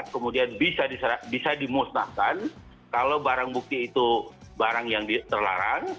kemudian bisa dimusnahkan kalau barang bukti itu barang yang terlarang